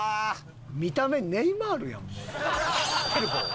見た目ネイマールやんもう。